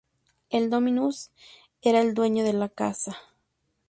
El "dominus" era el dueño de la casa.